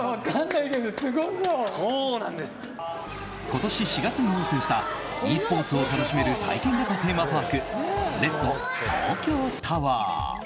今年４月にオープンしたｅスポーツを楽しめる体験型テーマパークＲＥＤ゜ＴＯＫＹＯＴＯＷＥＲ。